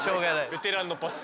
ベテランのパス。